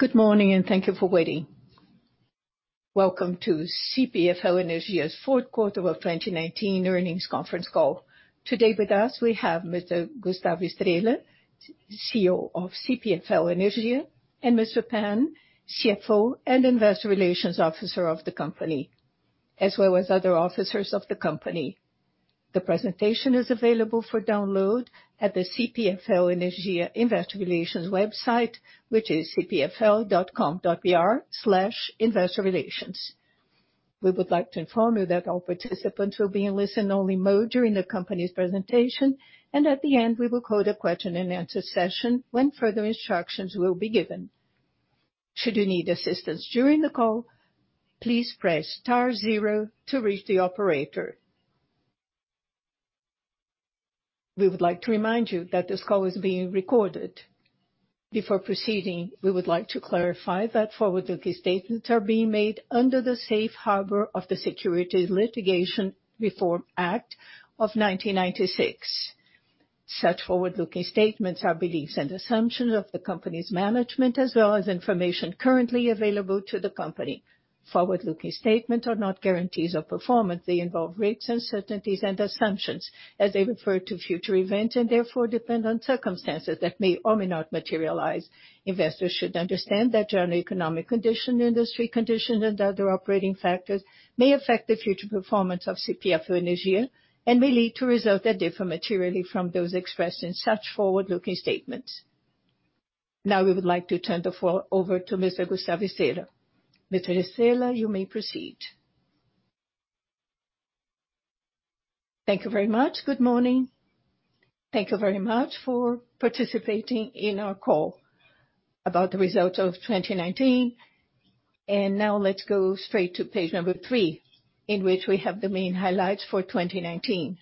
Good morning. Thank you for waiting. Welcome to CPFL Energia's fourth quarter of 2019 earnings conference call. Today with us, we have Mr. Gustavo Estrella, CEO of CPFL Energia, and Mr. Pan, CFO and Investor Relations Officer of the company, as well as other officers of the company. The presentation is available for download at the CPFL Energia investor relations website, which is cpfl.com.br/investorrelations. We would like to inform you that all participants will be in listen-only mode during the company's presentation. At the end, we will call the question-and-answer session when further instructions will be given. Should you need assistance during the call, please press star zero to reach the operator. We would like to remind you that this call is being recorded. Before proceeding, we would like to clarify that forward-looking statements are being made under the safe harbor of the Private Securities Litigation Reform Act of 1995. Such forward-looking statements are beliefs and assumptions of the company's management, as well as information currently available to the company. Forward-looking statements are not guarantees of performance. They involve risks, uncertainties, and assumptions as they refer to future events and therefore depend on circumstances that may or may not materialize. Investors should understand that general economic conditions, industry conditions, and other operating factors may affect the future performance of CPFL Energia and may lead to results that differ materially from those expressed in such forward-looking statements. We would like to turn the floor over to Mr. Gustavo Estrella. Mr. Estrella, you may proceed. Thank you very much. Good morning. Thank you very much for participating in our call about the results of 2019. Now let's go straight to page three, in which we have the main highlights for 2019.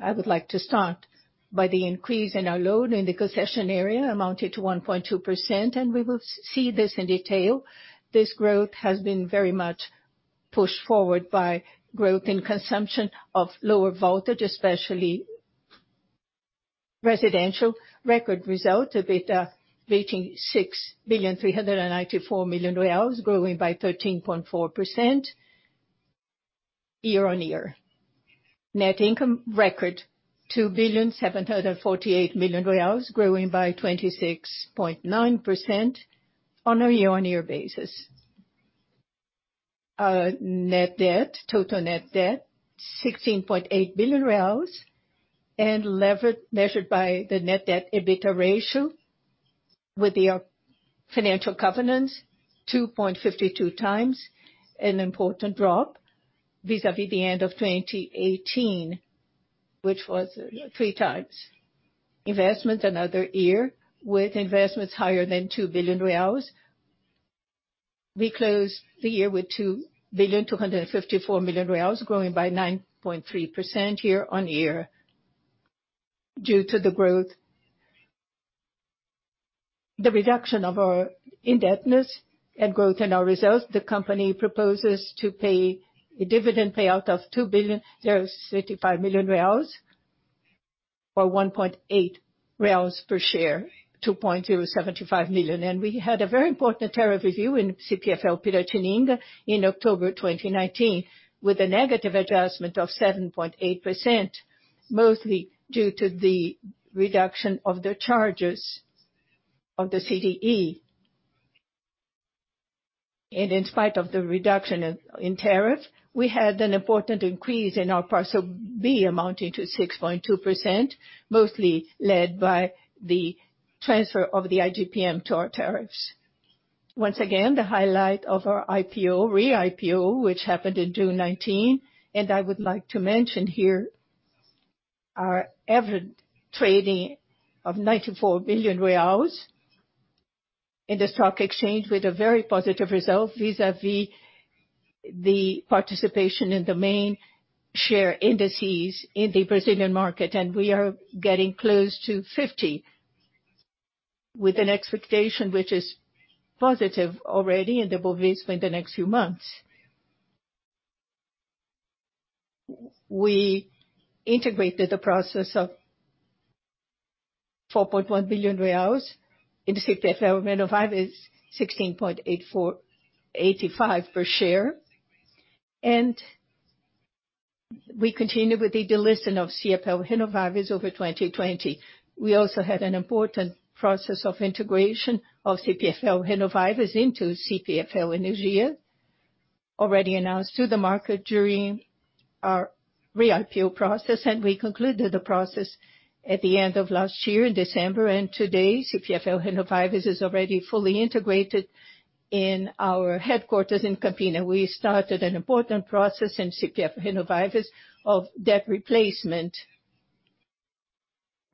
I would like to start by the increase in our load in the concession area, amounted to 1.2%, and we will see this in detail. This growth has been very much pushed forward by growth in consumption of lower voltage, especially residential. Record result, EBITDA reaching 6.394 billion reais, growing by 13.4% year-on-year. Net income, record 2.748 billion, growing by 26.9% on a year-on-year basis. Total net debt, 16.8 billion, and measured by the net debt EBITDA ratio with their financial covenants, 2.52 times, an important drop vis-à-vis the end of 2018, which was three times. Investments another year with investments higher than BRL 2 billion. We closed the year with 2.254 billion, growing by 9.3% year-on-year. Due to the reduction of our indebtedness and growth in our results, the company proposes to pay a dividend payout of 2.035 billion or 1.8 reais per share, 2.075 million. We had a very important tariff review in CPFL Piratininga in October 2019 with a negative adjustment of 7.8%, mostly due to the reduction of the charges of the CDE. In spite of the reduction in tariff, we had an important increase in our Parcel B amounting to 6.2%, mostly led by the transfer of the IGPM to our tariffs. Once again, the highlight of our re-IPO, which happened in June 2019, and I would like to mention here our average trading of 94 billion reais in the stock exchange with a very positive result vis-à-vis the participation in the main share indices in the Brazilian market. We are getting close to 50 with an expectation which is positive already in the Bovespa in the next few months. We integrated the process of BRL 4.1 billion in CPFL Renováveis, 16.85 per share. We continue with the delisting of CPFL Renováveis over 2020. We also had an important process of integration of CPFL Renováveis into CPFL Energia already announced to the market during our re-IPO process. We concluded the process at the end of last year in December. Today, CPFL Renováveis is already fully integrated in our headquarters in Campinas. We started an important process in CPFL Renováveis of debt replacement.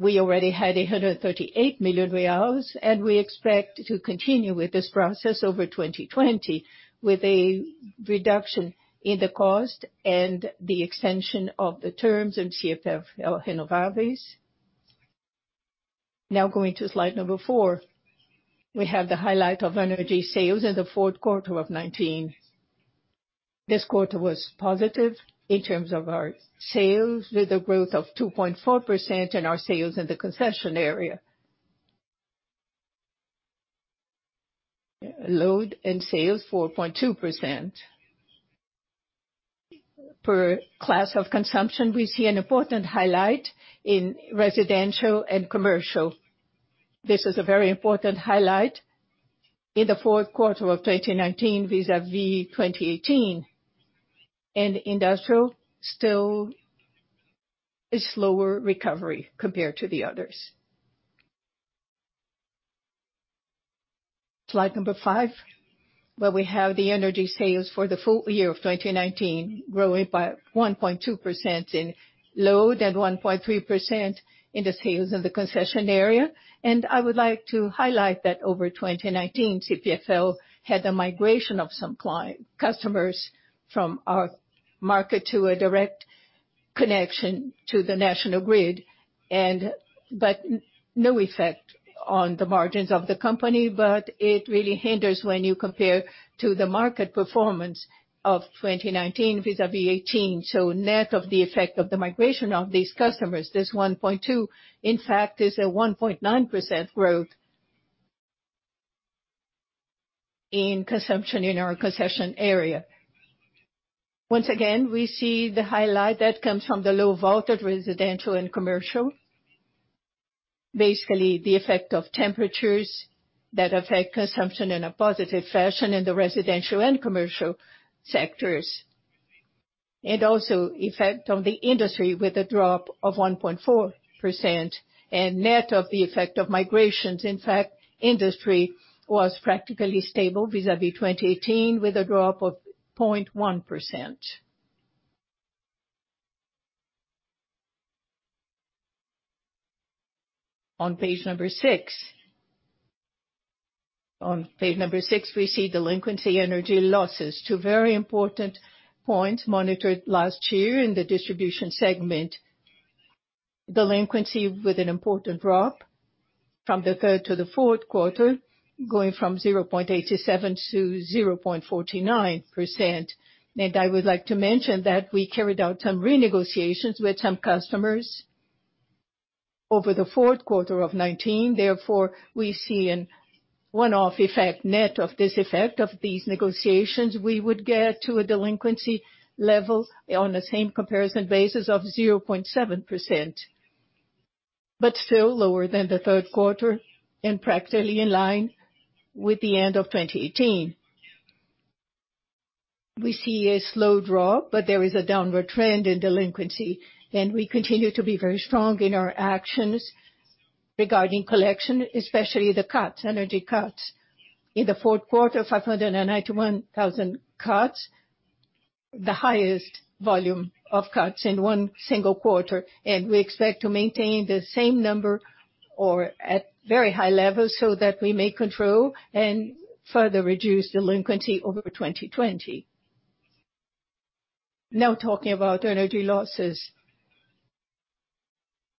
We already had 138 million reais, and we expect to continue with this process over 2020 with a reduction in the cost and the extension of the terms in CPFL Renováveis. Now going to slide number four. We have the highlight of energy sales in the fourth quarter of 2019. This quarter was positive in terms of our sales, with a growth of 2.4% in our sales in the concession area. Load and sales 4.2%. Per class of consumption, we see an important highlight in residential and commercial. This is a very important highlight in the fourth quarter of 2019 vis-à-vis 2018. Industrial still is slower recovery compared to the others. Slide number 5, where we have the energy sales for the full year of 2019, growing by 1.2% in load and 1.3% in the sales in the concession area. I would like to highlight that over 2019, CPFL had a migration of some customers from our market to a direct connection to the national grid, but no effect on the margins of the company. It really hinders when you compare to the market performance of 2019 vis-à-vis 2018. Net of the effect of the migration of these customers, this 1.2, in fact, is a 1.9% growth in consumption in our concession area. Once again, we see the highlight that comes from the low voltage of residential and commercial. Basically, the effect of temperatures that affect consumption in a positive fashion in the residential and commercial sectors. Also effect on the industry with a drop of 1.4% and net of the effect of migrations. In fact, industry was practically stable vis-à-vis 2018, with a drop of 0.1%. On page number six. On page number six, we see delinquency energy losses. Two very important points monitored last year in the distribution segment. Delinquency with an important drop from the third to the fourth quarter, going from 0.87 to 0.49%. I would like to mention that we carried out some renegotiations with some customers over the fourth quarter of 2019. Therefore, we see a one-off effect. Net of this effect of these negotiations, we would get to a delinquency level on the same comparison basis of 0.7%, but still lower than the third quarter and practically in line with the end of 2018. We see a slow drop, but there is a downward trend in delinquency, and we continue to be very strong in our actions regarding collection, especially the energy cuts. In the fourth quarter, 591,000 cuts, the highest volume of cuts in one single quarter, and we expect to maintain the same number or at very high levels so that we may control and further reduce delinquency over 2020. Now talking about energy losses.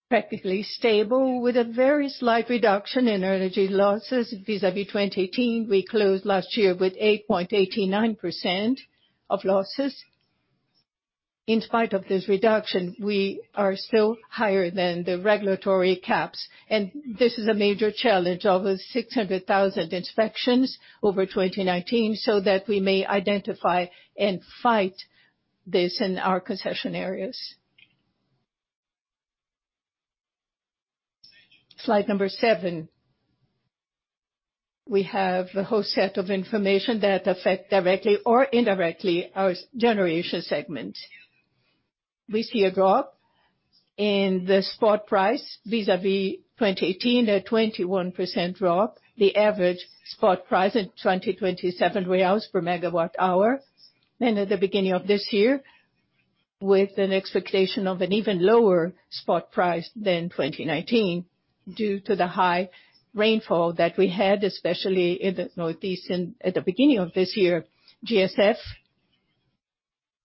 Practically stable with a very slight reduction in energy losses vis-à-vis 2018. We closed last year with 8.89% of losses. In spite of this reduction, we are still higher than the regulatory caps. This is a major challenge of 600,000 inspections over 2019, so that we may identify and fight this in our concession areas. Slide number seven. We have a whole set of information that affect directly or indirectly our generation segment. We see a drop in the spot price vis-à-vis 2018, a 21% drop. The average spot price in 2020, BRL 7 per megawatt hour. At the beginning of this year, with an expectation of an even lower spot price than 2019 due to the high rainfall that we had, especially in the Northeast at the beginning of this year. GSF,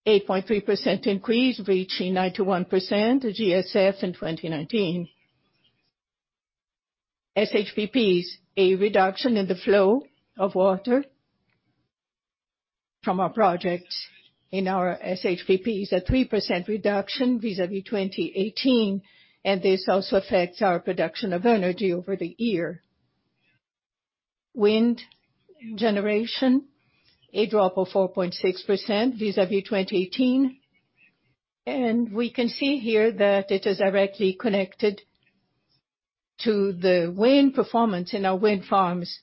8.3% increase, reaching 91% GSF in 2019. SHPPs, a reduction in the flow of water from our projects in our SHPPs, a 3% reduction vis-à-vis 2018, this also affects our production of energy over the year. Wind generation, a drop of 4.6% vis-à-vis 2018. We can see here that it is directly connected to the wind performance in our wind farms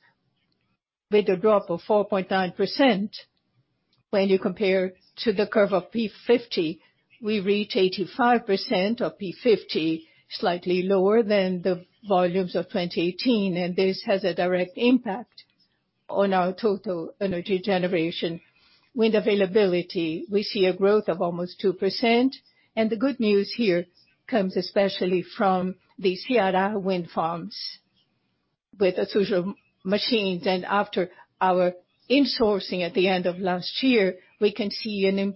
with a drop of 4.9%. When you compare to the curve of P50, we reach 85% of P50, slightly lower than the volumes of 2018. This has a direct impact on our total energy generation. Wind availability, we see a growth of almost 2%. The good news here comes especially from the Ceará wind farms with Eolus machines. After our insourcing at the end of last year, we can see a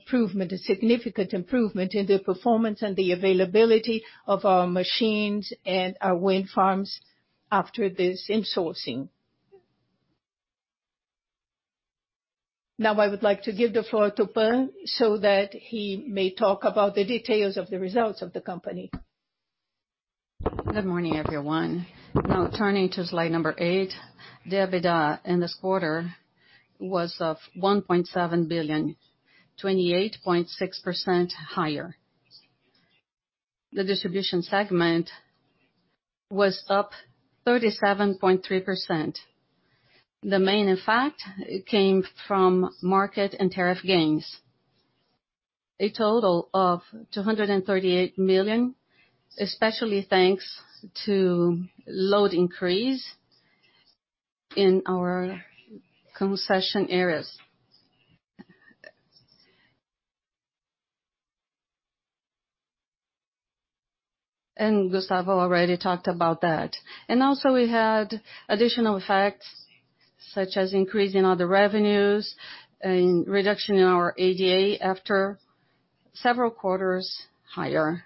significant improvement in the performance and the availability of our machines and our wind farms after this insourcing. Now I would like to give the floor to Pan, so that he may talk about the details of the results of the company. Good morning, everyone. Now turning to slide number eight, the EBITDA in this quarter was of 1.7 billion, 28.6% higher. The distribution segment was up 37.3%. The main effect came from market and tariff gains, a total of 238 million, especially thanks to load increase in our concession areas. Gustavo already talked about that. Also, we had additional effects such as increase in other revenues and reduction in our ADA after several quarters higher.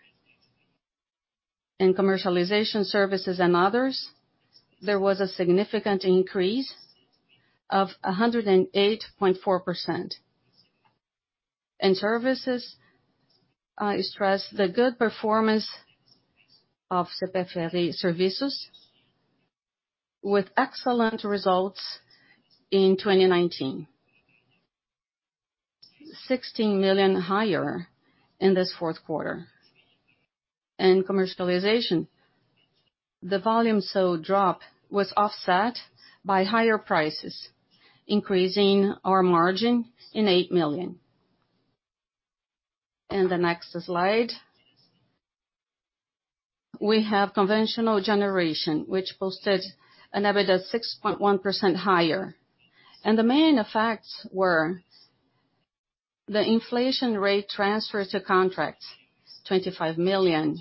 In commercialization services and others, there was a significant increase of 108.4%. In services, I stress the good performance of CPFL Serviços with excellent results in 2019. 16 million higher in this fourth quarter. In commercialization, the volume sold drop was offset by higher prices, increasing our margin in 8 million. In the next slide, we have conventional generation, which posted an EBITDA 6.1% higher. The main effects were the inflation rate transfer to contracts, 25 million,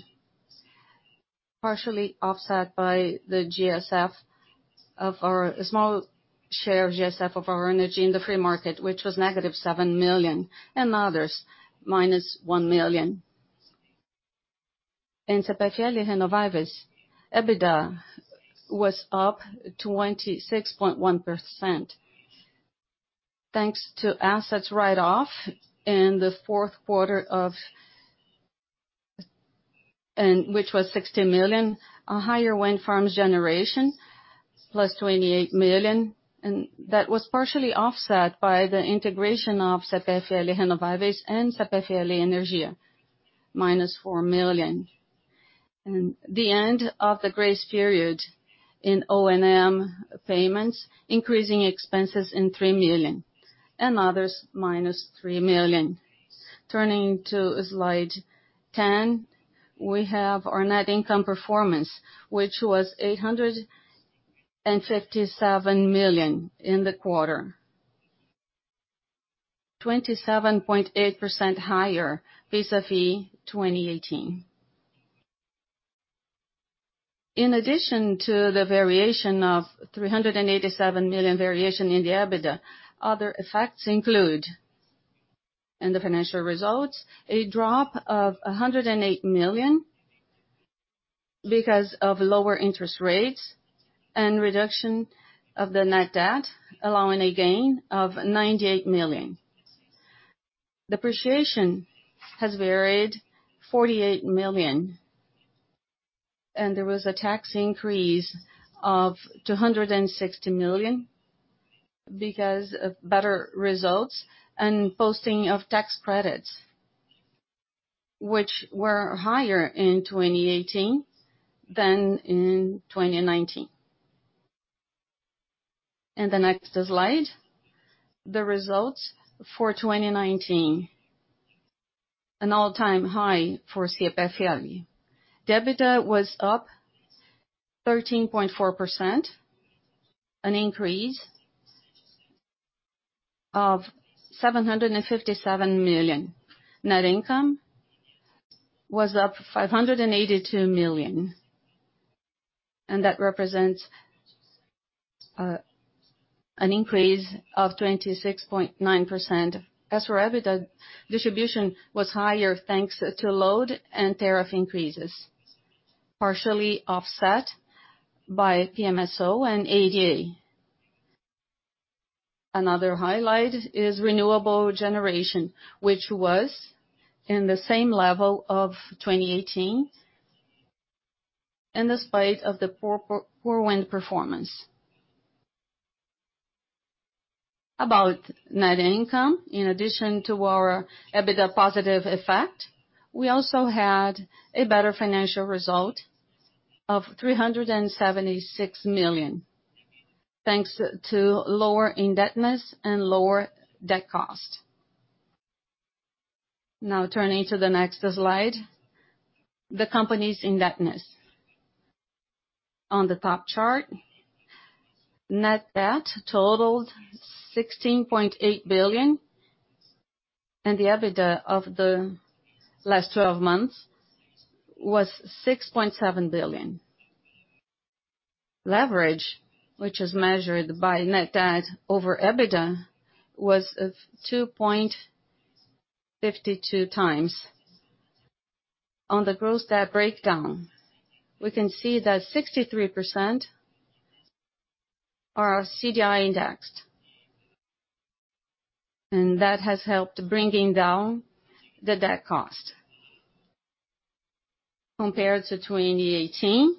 partially offset by the GSF of our, a small share of GSF of our energy in the free market, which was negative 7 million, and others, minus 1 million. In CPFL Renováveis, EBITDA was up 26.1%, thanks to assets write-off in the fourth quarter, which was 16 million. A higher wind farms generation, plus 28 million, and that was partially offset by the integration of CPFL Renováveis and CPFL Energia, minus 4 million. The end of the grace period in O&M payments, increasing expenses in 3 million, and others, minus 3 million. Turning to slide 10, we have our net income performance, which was 857 million in the quarter. 27.8% higher vis-à-vis 2018. In addition to the variation of 387 million variation in the EBITDA, other effects include, in the financial results, a drop of 108 million because of lower interest rates and reduction of the net debt, allowing a gain of 98 million. Depreciation has varied 48 million. There was a tax increase of 260 million because of better results and posting of tax credits, which were higher in 2018 than in 2019. In the next slide, the results for 2019, an all-time high for CPFL. EBITDA was up 13.4%, an increase of 757 million. Net income was up 582 million, That represents an increase of 26.9%. As for EBITDA, distribution was higher, thanks to load and tariff increases, partially offset by PMSO and ADA. Another highlight is renewable generation, which was in the same level of 2018 in despite of the poor wind performance. About net income, in addition to our EBITDA positive effect, we also had a better financial result of 376 million, thanks to lower indebtedness and lower debt cost. Turning to the next slide, the company's indebtedness. On the top chart, net debt totaled 16.8 billion, and the EBITDA of the last 12 months was BRL 6.7 billion. Leverage, which is measured by net debt over EBITDA, was of 2.52 times. On the gross debt breakdown, we can see that 63% are CDI indexed, that has helped bringing down the debt cost. Compared to 2018,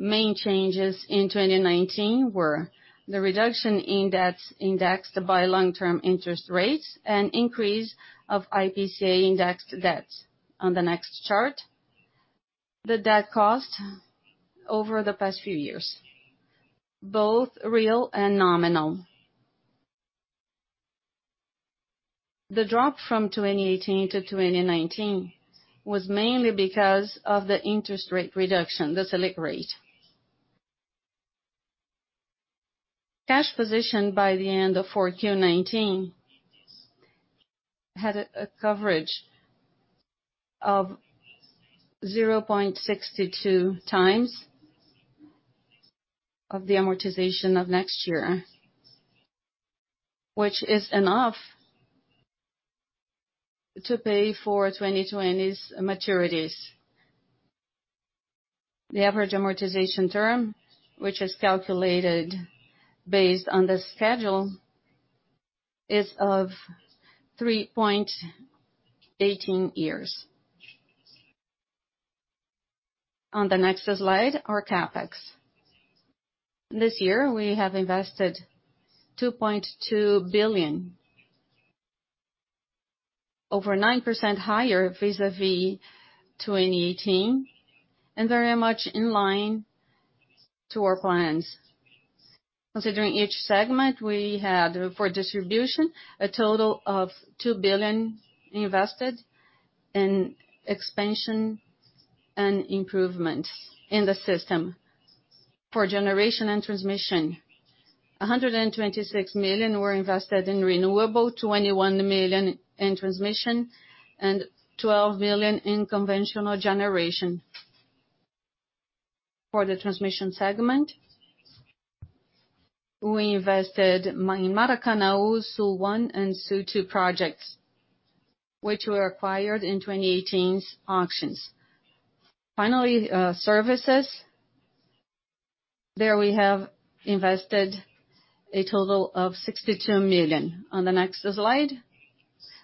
main changes in 2019 were the reduction in debts indexed by long-term interest rates and increase of IPCA indexed debts. On the next chart, the debt cost over the past few years, both real and nominal. The drop from 2018 to 2019 was mainly because of the interest rate reduction, the Selic rate. Cash position by the end of 4Q 2019, had a coverage of 0.62 times of the amortization of next year, which is enough to pay for 2020's maturities. The average amortization term, which is calculated based on the schedule, is of 3.18 years. On the next slide, our CapEx. This year, we have invested 2.2 billion, over 9% higher vis-a-vis 2018, and very much in line to our plans. Considering each segment, we had, for distribution, a total of 2 billion invested in expansion and improvements in the system. For generation and transmission, 126 million were invested in renewable, 21 million in transmission, and 12 million in conventional generation. For the transmission segment, we invested in Maracanaú, Sul 1, and Sul 2 projects, which were acquired in 2018's auctions. Finally, services. There we have invested a total of 62 million. On the next slide,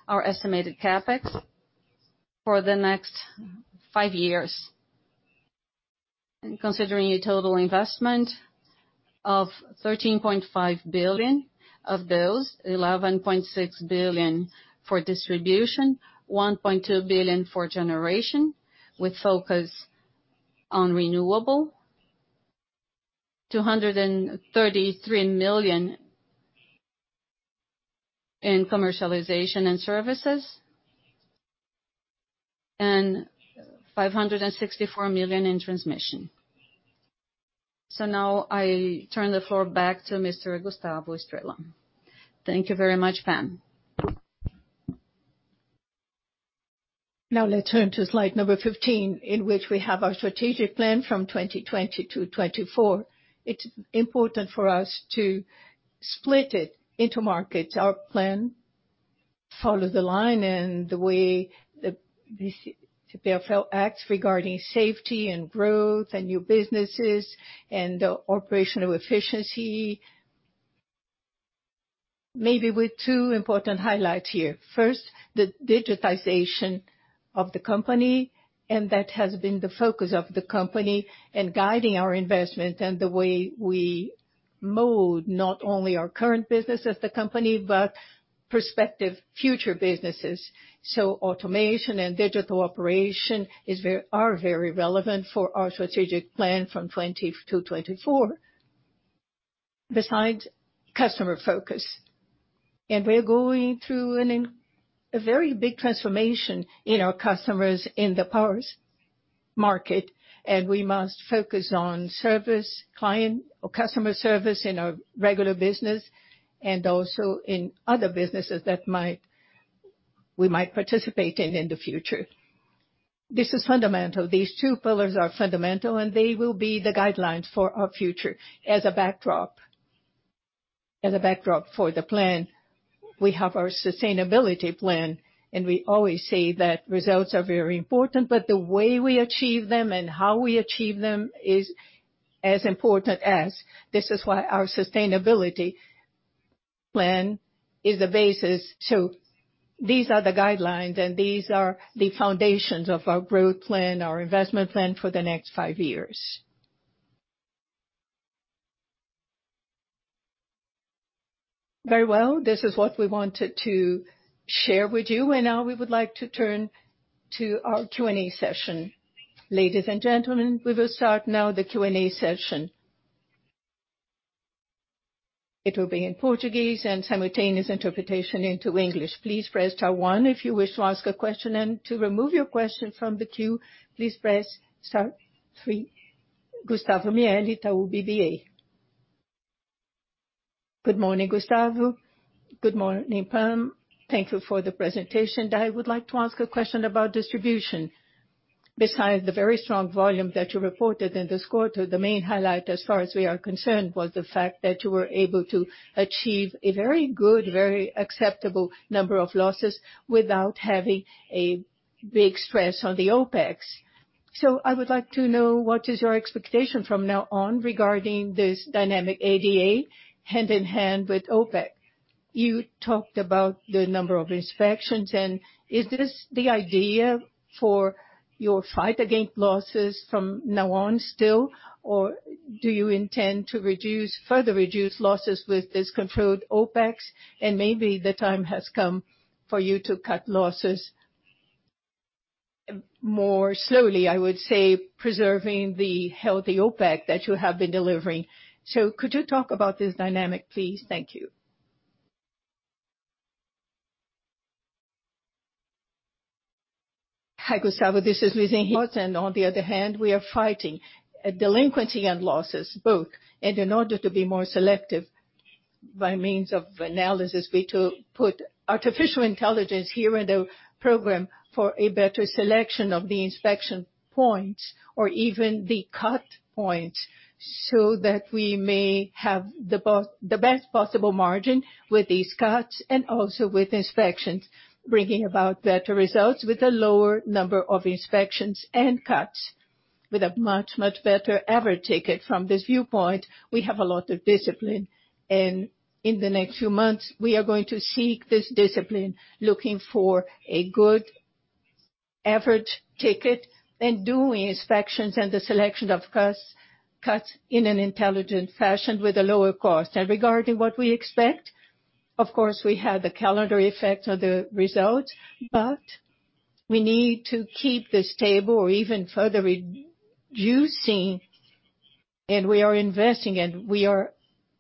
our estimated CapEx for the next five years. Considering a total investment of 13.5 billion of those, 11.6 billion for distribution, 1.2 billion for generation with focus on renewable, 233 million in commercialization and services, and 564 million in transmission. Now I turn the floor back to Mr. Gustavo Estrella. Thank you very much, Pan. Let's turn to slide number 15, in which we have our strategic plan from 2020 to 2024. It's important for us to split it into markets. Our plan follow the line and the way that CPFL acts regarding safety and growth and new businesses and operational efficiency, maybe with two important highlights here. First, the digitization of the company. That has been the focus of the company in guiding our investment and the way we mold not only our current business as the company, but prospective future businesses. Automation and digital operation are very relevant for our strategic plan from 2020 to 2024. Besides customer focus, we're going through a very big transformation in our customers in the powers market. We must focus on service, client or customer service in our regular business and also in other businesses that we might participate in the future. This is fundamental. These two pillars are fundamental. They will be the guidelines for our future. As a backdrop for the plan, we have our sustainability plan. We always say that results are very important, but the way we achieve them and how we achieve them is as important as. This is why our sustainability plan is the basis. These are the guidelines. These are the foundations of our growth plan, our investment plan for the next five years. Very well. This is what we wanted to share with you. Now we would like to turn to our Q&A session. Ladies and gentlemen, we will start now the Q&A session. It will be in Portuguese and simultaneous interpretation into English. Please press star one if you wish to ask a question, and to remove your question from the queue, please press star three. Gustavo Miele, Itaú BBA. Good morning, Gustavo. Good morning, Pan. Thank you for the presentation. I would like to ask a question about distribution. Besides the very strong volume that you reported in this quarter, the main highlight as far as we are concerned was the fact that you were able to achieve a very good, very acceptable number of losses without having a big stress on the OPEX. I would like to know what is your expectation from now on regarding this dynamic ADA hand in hand with OPEX. You talked about the number of inspections. Is this the idea for your fight against losses from now on still? Do you intend to further reduce losses with this controlled OPEX and maybe the time has come for you to cut losses more slowly, I would say, preserving the healthy OPEX that you have been delivering. Could you talk about this dynamic, please? Thank you. Hi, Gustavo, this is Louise again. On the other hand, we are fighting delinquency and losses both. In order to be more selective by means of analysis, we put artificial intelligence here in the program for a better selection of the inspection points or even the cut points so that we may have the best possible margin with these cuts and also with inspections, bringing about better results with a lower number of inspections and cuts with a much better average ticket from this viewpoint. We have a lot of discipline, and in the next few months, we are going to seek this discipline, looking for a good average ticket and doing inspections and the selection of cuts in an intelligent fashion with a lower cost. Regarding what we expect, of course, we have the calendar effect on the results, but we need to keep this level or even further reducing. We are investing and we are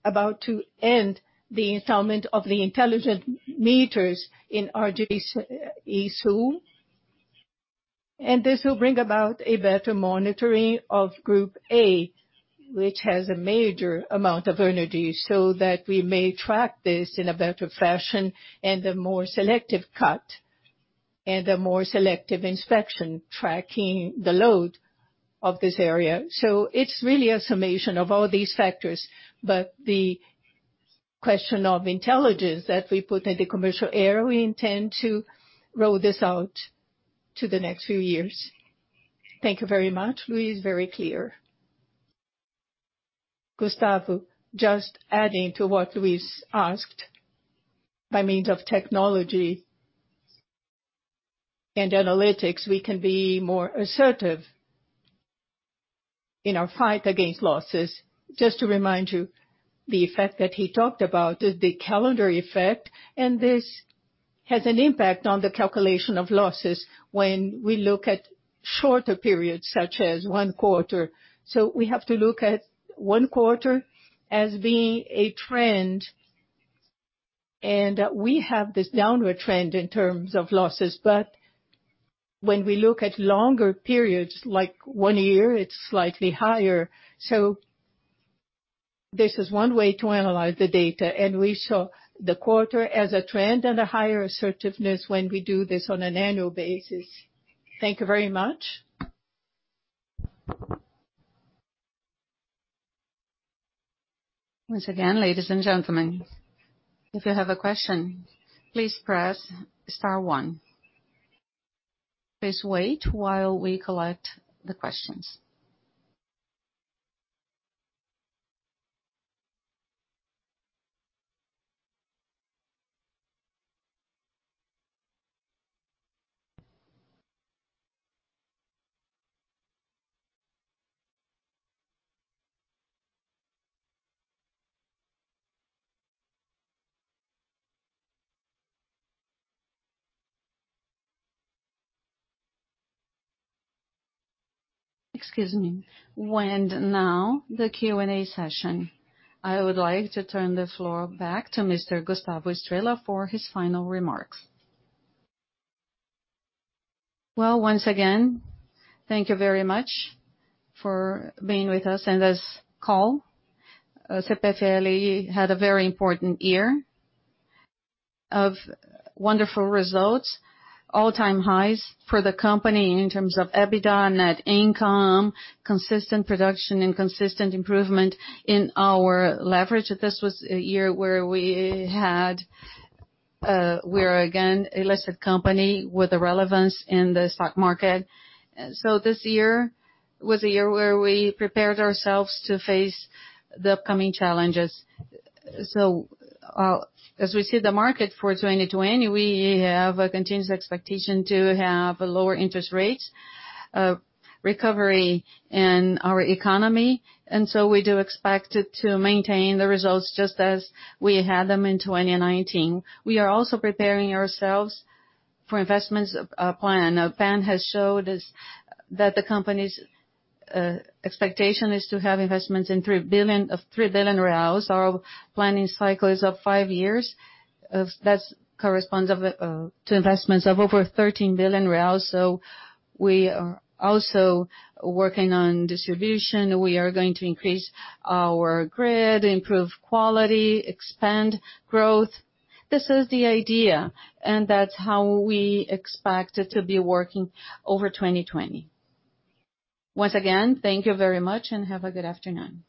about to end the installment of the intelligent meters in our RGE Sul. This will bring about a better monitoring of Group A, which has a major amount of energy, so that we may track this in a better fashion and a more selective cut and a more selective inspection, tracking the load of this area. It's really a summation of all these factors. The question of intelligence that we put in the commercial area, we intend to roll this out to the next few years. Thank you very much, Louise. Very clear. Gustavo, just adding to what Louise asked. By means of technology and analytics, we can be more assertive in our fight against losses. Just to remind you, the effect that he talked about is the calendar effect, and this has an impact on the calculation of losses when we look at shorter periods, such as one quarter. We have to look at one quarter as being a trend, and we have this downward trend in terms of losses. When we look at longer periods, like one year, it's slightly higher. This is one way to analyze the data, and we saw the quarter as a trend and a higher assertiveness when we do this on an annual basis. Thank you very much. Once again, ladies and gentlemen, if you have a question, please press star one. Please wait while we collect the questions. Excuse me. Now the Q&A session. I would like to turn the floor back to Mr. Gustavo Estrella for his final remarks. Well, once again, thank you very much for being with us in this call. CPFL had a very important year of wonderful results, all-time highs for the company in terms of EBITDA and net income, consistent production, and consistent improvement in our leverage. This was a year where we are again a listed company with a relevance in the stock market. This year was a year where we prepared ourselves to face the upcoming challenges. As we see the market for 2020, we have a continuous expectation to have lower interest rates, recovery in our economy. We do expect to maintain the results just as we had them in 2019. We are also preparing ourselves for investments plan. Our plan has showed us that the company's expectation is to have investments of 3 billion reais. Our planning cycle is of five years. That corresponds to investments of over BRL 13 billion. We are also working on distribution. We are going to increase our grid, improve quality, expand growth. This is the idea, and that's how we expect it to be working over 2020. Once again, thank you very much and have a good afternoon.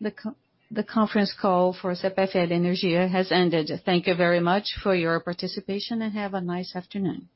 The conference call for CPFL Energia has ended. Thank you very much for your participation, and have a nice afternoon.